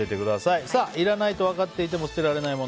いらないと分かっていても捨てられない物。